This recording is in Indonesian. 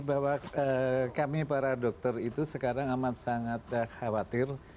bahwa kami para dokter itu sekarang amat sangat khawatir